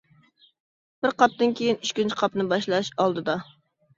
بىر قاپتىن كېيىن ئىككىنچى قاپنى باشلاش ئالدىدا.